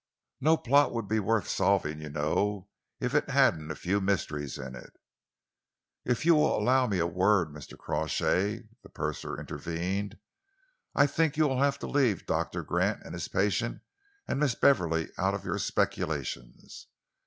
No plot would be worth solving, you know, if it hadn't a few mysteries in it." "If you will allow me a word, Mr. Crawshay," the purser intervened, "I think you will have to leave Doctor Gant and his patient and Miss Beverley out of your speculations.